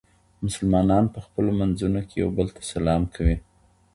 مسلمانان په خپلو منځونو کې یو بل ته سلام کوي.